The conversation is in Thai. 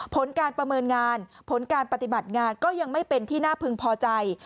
ผลการประเมินงานผลการปฏิบัติงานก็ยังไม่เป็นที่น่าพึงพอใจ